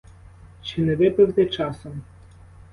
Чи не випив ти часом?